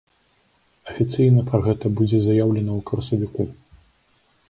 Афіцыйна пра гэта будзе заяўлена ў красавіку.